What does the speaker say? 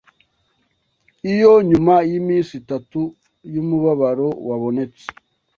Iyo nyuma yiminsi itatu yumubabaro wabonetse